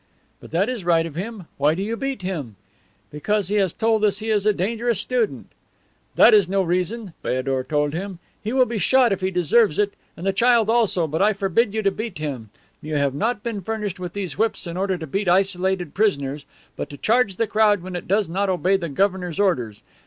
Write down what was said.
"'But that is right of him. Why do you beat him?' "'Because he has told us he is a dangerous student.' "'That is no reason,' Feodor told him. 'He will be shot if he deserves it, and the child also, but I forbid you to beat him. You have not been furnished with these whips in order to beat isolated prisoners, but to charge the crowd when it does not obey the governor's orders.